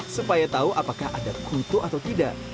supaya tahu apakah ada kutu atau tidak